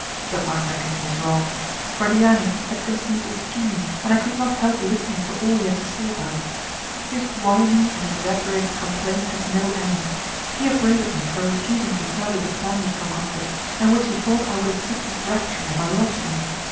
But my reckoning was wrong; Cordiani had conceived a scheme, and I could not help listening to all he had to say about it. His whining and exaggerated complaints had no end. He upbraided me for refusing to further the plan he had concocted, and which he thought I would accept with rapture if I loved him.